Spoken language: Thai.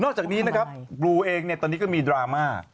นอกจากนี้นะครับบลูเองตอนนี้ก็มีดราม่า